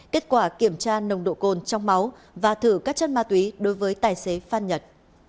kết quả kiểm tra nồng độ cồn trong máu và thử các chất ma túy đối với tài xế phan nhật